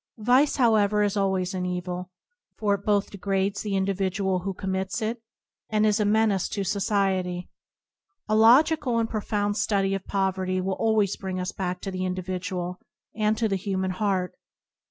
Vice, however, is always an evil, for it both degrades the individual who commits it, and is a menace to society. A logical and pro found study of poverty will always bring us back to the individual, and to the human heart.